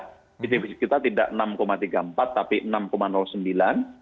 jadi defisit kita tidak rp enam tiga puluh empat triliun tapi rp enam sembilan triliun